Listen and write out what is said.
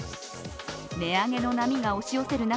値上げの波が押し寄せる中